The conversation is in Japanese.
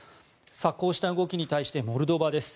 こうした動きに対してモルドバです。